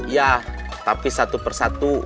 ya tapi satu persatu